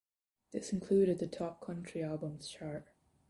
This included the Top Country Albums chart.